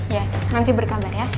ya nanti berkabar ya